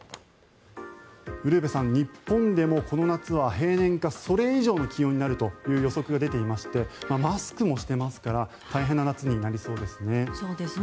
ウルヴェさん日本でもこの夏は平年かそれ以上の気温になるという予測が出ていましてマスクもしていますから大変な夏になりそうですね。